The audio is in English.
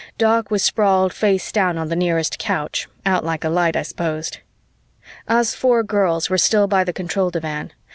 Doc was sprawled face down on the nearest couch, out like a light, I suppose. Us four girls were still by the control divan.